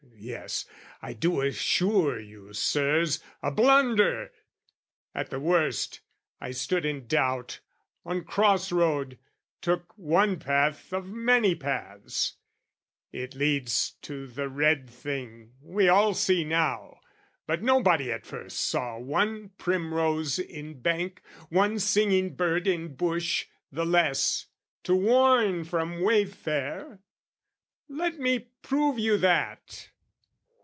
yes, I do assure you, Sirs,... A blunder! At the worst, I stood in doubt On cross road, took one path of many paths: It leads to the red thing, we all see now, But nobody at first saw one primrose In bank, one singing bird in bush, the less, To warn from wayfare: let me prove you that!